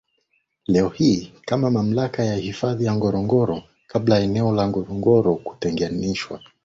leo hii kama mamlaka ya hifadhi ya Ngorongoro kabla eneo la Ngorongoro kutenganishwa